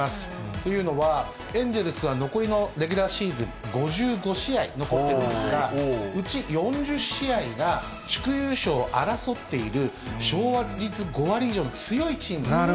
というのは、エンゼルスは残りのレギュラーシーズン５５試合残ってるんですが、うち４０試合が、地区優勝を争っている勝率５割以上の強いチームなんです。